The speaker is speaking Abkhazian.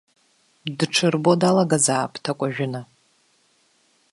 Дҽырбо далагазаап ҭакәажәына!